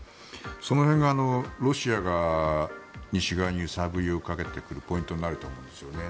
その辺が、ロシアが西側に揺さぶりをかけてくるポイントになると思いますよね。